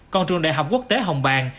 còn trường đại học quốc tế hồng bàng